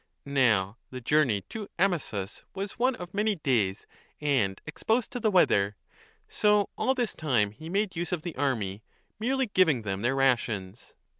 Now the journey to Amisus was one of many days and exposed to the weather. So all this time he made use of the army, merely giving them their rations.